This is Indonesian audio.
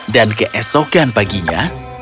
dan keesokan paginya